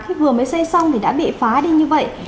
khi vừa mới xây xong thì đã bị phá đi như vậy